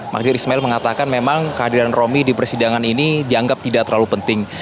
magdir ismail mengatakan memang kehadiran romi di persidangan ini dianggap tidak terlalu penting